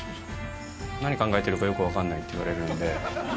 何考えてるか、よく分かんないって言われるんで。